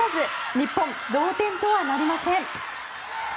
日本、同点とはなりません。